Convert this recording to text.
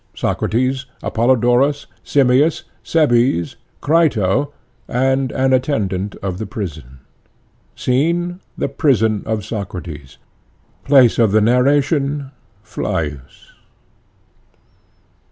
Socrates, Apollodorus, Simmias, Cebes, Crito and an Attendant of the Prison. SCENE: The Prison of Socrates. PLACE OF THE NARRATION: Phlius.